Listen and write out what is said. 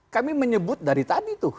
kami menyebut dari tadi tuh